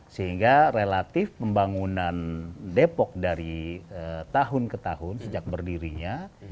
sehingga relatif pembangunan depok dari tahun ke tahun sejak berdirinya